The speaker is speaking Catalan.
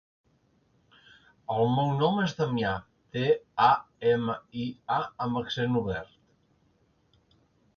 El meu nom és Damià: de, a, ema, i, a amb accent obert.